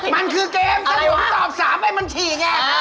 มันคือเกมถ้าผมตอบ๓ไปมันฉี่ไง